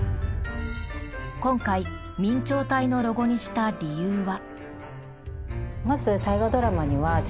今回明朝体のロゴにした理由は？